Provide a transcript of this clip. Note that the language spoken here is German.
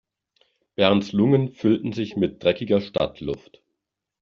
Bernds Lungen füllten sich mit dreckiger Stadtluft.